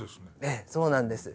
ええそうなんです。